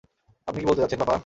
আপনি কি বলতে চাচ্ছেন, পাপা?